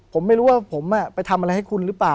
ผมไม่รู้ว่าผมไปทำอะไรให้คุณหรือเปล่า